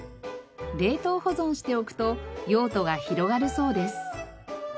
冷凍保存しておくと用途が広がるそうです。